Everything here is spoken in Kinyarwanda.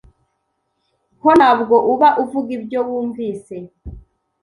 ho ntabwo uba uvuga ibyo wumvise